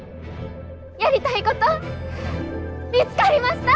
やりたいこと見つかりました！